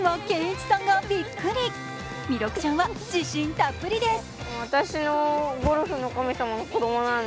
弥勒ちゃんは自信たっぷりです。